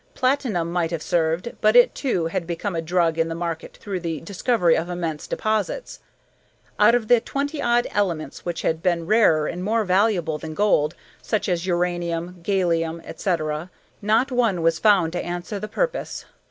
Platinum might have served, but it, too, had become a drug in the market through the discovery of immense deposits. Out of the twenty odd elements which had been rarer and more valuable than gold, such as uranium, gallium, etc., not one was found to answer the purpose.